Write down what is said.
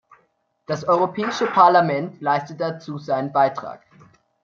Das Europäische Parlament leistet dazu seinen Beitrag.